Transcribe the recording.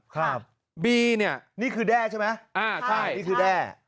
ค่ะนี่คือแด้ใช่ไหมอ่าใช่นี่คือแด้